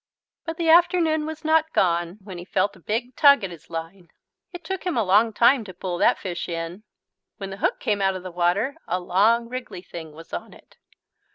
But the afternoon was not gone when he felt a big tug at his line. It took him a long time to pull that fish in. When the hook came out of the water a long wriggly thing was on it.